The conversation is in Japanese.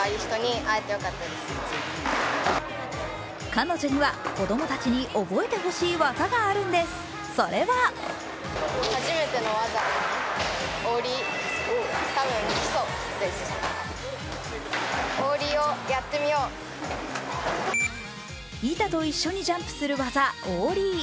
彼女には子供たちに覚えてほしい技があるんです、それは板と一緒にジャンプする技・オーリー。